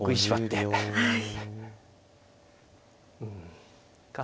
うん。